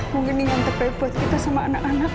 mungkin dengan terbebut kita sama anak anak